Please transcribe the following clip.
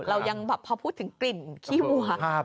เรายังแบบพอพูดถึงกลิ่นขี้วัว